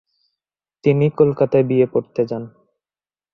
তিনি কলকাতায় B A পড়তে যান।